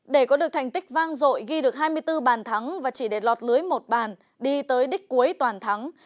để có được thành tích vang rội ghi được hai mươi bốn bàn thắng và chỉ để lọt lưới một bàn đi tới đích cuối toàn thắng